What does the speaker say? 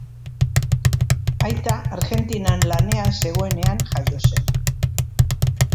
Aita Argentinan lanean zegoenean jaio zen.